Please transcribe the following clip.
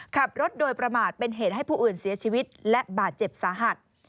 ขับรถโดยประมาทเป็นเหตุให้ผู้อื่นเสียชีวิตและบาดเจ็บสาหัส